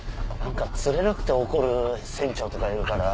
釣れなくて怒る船長とかいるから。